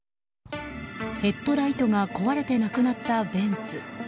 ヘッドライトが壊れてなくなったベンツ。